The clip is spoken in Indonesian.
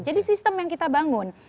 jadi sistem yang kita bangun